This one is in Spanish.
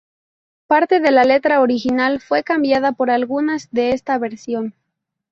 Parte de la letra original fue cambiada por algunas de esta versión.